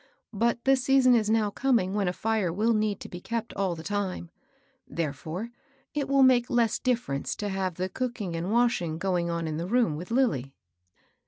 But the season is now coming when a fire will need to be kept all the time ; therefore it will make less differ ence to have the cooking and washing going on in the room with Lilly."